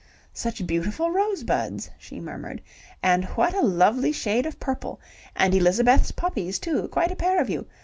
"Such beautiful rosebuds," she murmured, "and what a lovely shade of purple. And Elizabeth's poppies too, quite a pair of you.